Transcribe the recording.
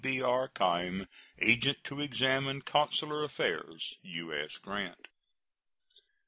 B.R. Keim, agent to examine consular affairs. U.S. GRANT.